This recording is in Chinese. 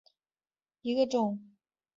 安宁薹草为莎草科薹草属下的一个种。